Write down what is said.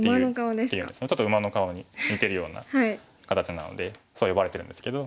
ちょっと馬の顔に似てるような形なのでそう呼ばれてるんですけど。